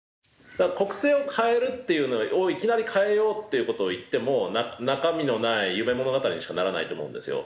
だから国政を変えるっていうのをいきなり変えようっていう事を言っても中身のない夢物語にしかならないと思うんですよ。